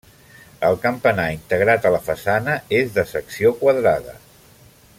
El campanar, integrat a la façana, és de secció quadrada.